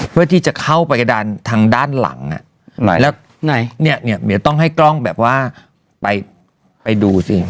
เพื่อที่จะเข้าไปกระดานทางด้านหลังเนี่ยเดี๋ยวต้องให้กล้องแบบว่าไปดูซิ